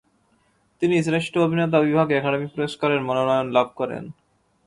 তিনি শ্রেষ্ঠ অভিনেতা বিভাগে একাডেমি পুরস্কারের মনোনয়ন লাভ করেন।